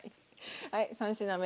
はい３品目。